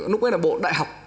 lúc ấy là bộ đại học